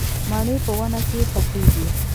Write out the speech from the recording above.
مڼې په ونې کې پخېږي